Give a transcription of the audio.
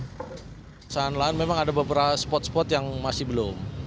perusahaan lahan memang ada beberapa spot spot yang masih belum